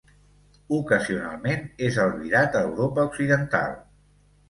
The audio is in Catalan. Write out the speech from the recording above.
Ocasionalment és albirat a Europa Occidental.